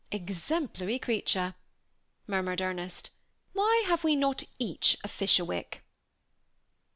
"Exemplary creature," murmured Ernest; "why have we not each a Fisherwick?"